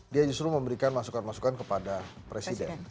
dia justru memberikan masukan masukan kepada presiden